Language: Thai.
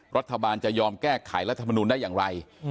รัฐบาลจะยอมแก้ไขรัฐมนุนได้อย่างไร